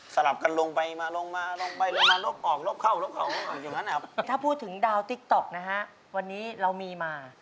สลับกันลงไปมาลงมาลงไปลงมา